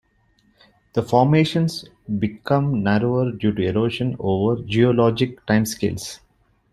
The formations become narrower due to erosion over geologic time scales.